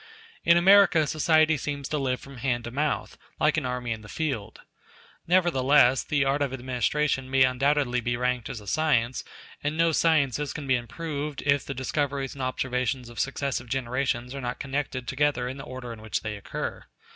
In America society seems to live from hand to mouth, like an army in the field. Nevertheless, the art of administration may undoubtedly be ranked as a science, and no sciences can be improved if the discoveries and observations of successive generations are not connected together in the order in which they occur.